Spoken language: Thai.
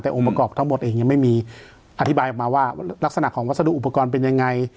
แต่องค์ประกอบทั้งหมดเองยังไม่มีอธิบายออกมาว่าลักษณะของวัสดุอุปกรณ์เป็นยังไง